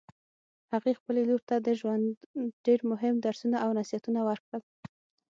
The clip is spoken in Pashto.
هغې خپلې لور ته د ژوند ډېر مهم درسونه او نصیحتونه ورکړل